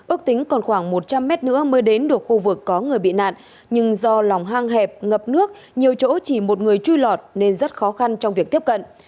ước tính còn khoảng một trăm linh mét nữa mới đến được khu vực có người bị nạn nhưng do lòng hang hẹp ngập nước nhiều chỗ chỉ một người chui lọt nên rất khó khăn trong việc tiếp cận